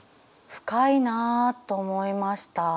深いなあと思いました。